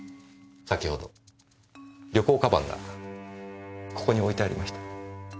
先ほど旅行鞄がここに置いてありました。